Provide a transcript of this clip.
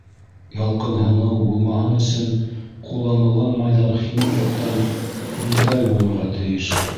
Ялҡынһыныу булмаһын өсөн, ҡулланылған майҙар химик яҡтан нейтраль булырға тейеш.